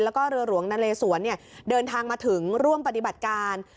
แล้วก็เรือหลวงนาเลสวนเดินทางมาถึงร่วมปฏิบัติการ